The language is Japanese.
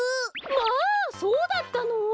まあそうだったの？